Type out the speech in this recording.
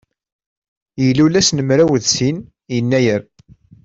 Ilul ass n mraw d sin yennayer.